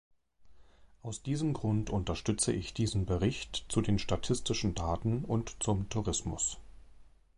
Aus diesem Grund unterstütze ich diesen Bericht zu den statistischen Daten und zum Tourismus.